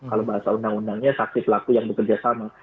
kalau bahasa undang undangnya saksi pelaku yang bekerja sama